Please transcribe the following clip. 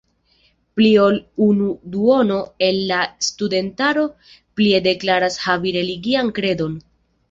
Pli ol unu duono el la studentaro plie deklaras havi religian kredon.